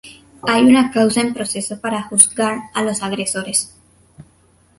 Hay una causa en proceso para juzgar a los agresores.